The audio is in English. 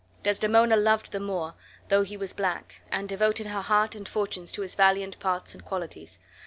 Desdemona loved the Moor, though he was black, and devoted her heart and fortunes to his valiant parts and qualities.